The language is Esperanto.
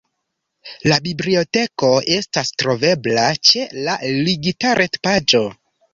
La biblioteko estas trovebla ĉe la ligita retpaĝo.